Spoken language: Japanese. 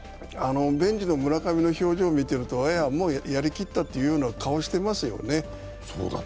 ベンチの村上の表情を見ているとやりきったという顔をしていますよね。